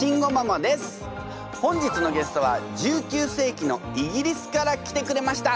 本日のゲストは１９世紀のイギリスから来てくれました！